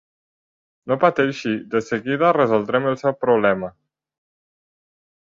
No pateixi, de seguida resoldrem el seu problema.